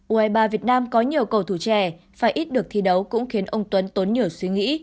u hai mươi ba việt nam có nhiều cầu thủ trẻ phải ít được thi đấu cũng khiến ông tuấn tốn nhử suy nghĩ